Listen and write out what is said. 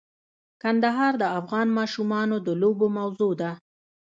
کندهار د افغان ماشومانو د لوبو موضوع ده.